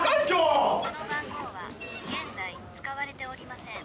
「この番号は現在使われておりません」